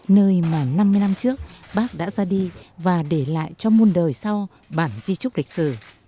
nơi mà năm mươi năm trước bác đã ra đi và để lại cho muôn đời sau bản di trúc lịch sử